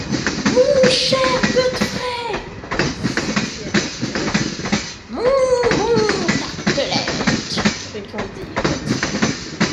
Mon cher Godfrey! s’écria Tartelett, — Mon bon Tartelett ! répondit Godfrey.